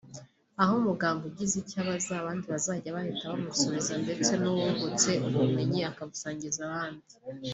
aho umuganga ugize icyo abaza abandi bazajya bahita bamusubiza ndetse n’uwungutse ubumenyi akabusangiza abandi